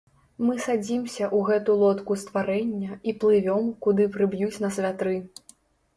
Мы садзімся ў гэту лодку стварэння і плывём, куды прыб'юць нас вятры.